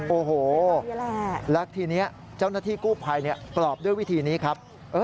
โอ้โหแล้วทีนี้เจ้าหน้าที่กู้ภัยปลอบด้วยวิธีนี้ครับ